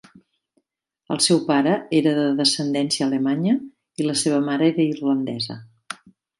El seu pare era de descendència alemanya i la seva mare era irlandesa.